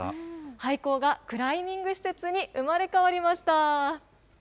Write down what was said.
廃校がクライミング施設に生まれ変わりました。